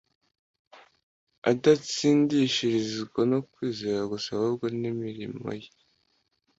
adatsindishirizwa no kwizera gusa ahubwo n’imirimoye,